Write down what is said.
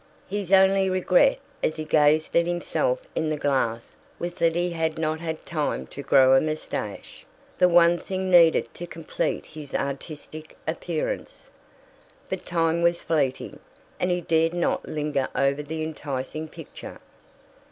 His only regret, as he gazed at himself in the glass was that he had not had time to grow a moustache, the one thing needed to complete his artistic appearance. But time was fleeting, and he dared not linger over the enticing picture.